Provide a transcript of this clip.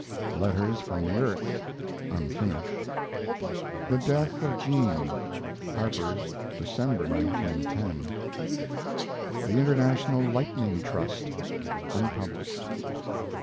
LETTERS FROM THE EARTH (unfinished). THE DEATH OF JEAN Harper's, December, 1910. THE INTERNATIONAL LIGHTNING TRUST (unpublished).